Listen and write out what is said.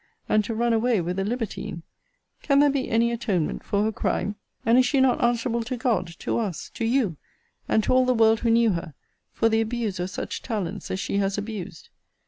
and to run away with a libertine! Can there be any atonement for her crime? And is she not answerable to God, to us, to you, and to all the world who knew her, for the abuse of such talents as she has abused?